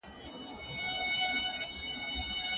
که ته توپیر وکړې نو تکړه یې.